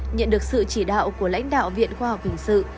nhận được sự chỉ đạo của lãnh đạo viện khoa học hình sự